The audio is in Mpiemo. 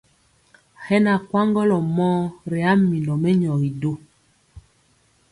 Hɛ kwaŋgɔlɔ mɔɔ ri a minɔ mɛnyɔgi du.